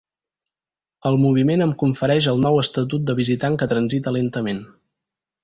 El moviment em confereix el nou estatut de visitant que transita lentament.